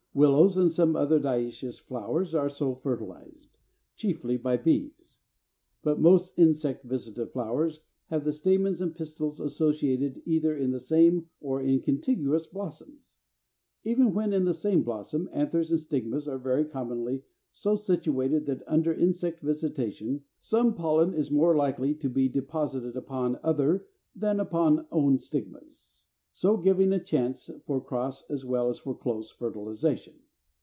Willows and some other diœcious flowers are so fertilized, chiefly by bees. But most insect visited flowers have the stamens and pistils associated either in the same or in contiguous blossoms. Even when in the same blossom, anthers and stigmas are very commonly so situated that under insect visitation, some pollen is more likely to be deposited upon other than upon own stigmas, so giving a chance for cross as well as for close fertilization.